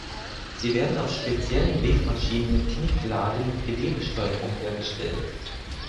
Sie werden auf speziellen Webmaschinen mit Knicklade mit Gewebesteuerung hergestellt.